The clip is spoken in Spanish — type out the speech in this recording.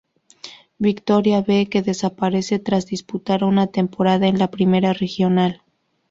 Vitoria B, que desaparece tras disputar una temporada en la Primera Regional.